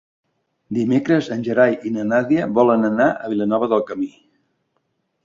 Dimecres en Gerai i na Nàdia volen anar a Vilanova del Camí.